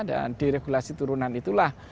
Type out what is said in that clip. dan di regulasi turunan itulah